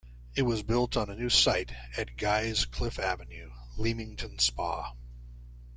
It was built on a new site at Guy's Cliffe Avenue, Leamington Spa.